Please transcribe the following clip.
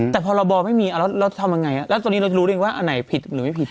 แต่พอเราบอกไม่มีอ่ะเราเราจะทำยังไงอ่ะแล้วตอนนี้เราจะรู้เรียกว่าอันไหนผิดหรือไม่ผิด